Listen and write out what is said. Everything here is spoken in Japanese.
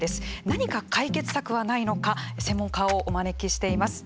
何か解決策はないのか専門家をお招きしています。